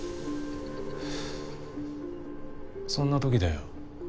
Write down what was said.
そんな時だよ